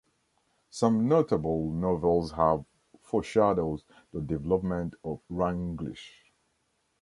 Some notable novels have foreshadowed the development of Runglish.